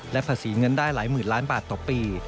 และภาษีเงินได้หลายหมื่นล้านบาทต่อปี